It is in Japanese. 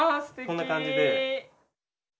こんな感じで。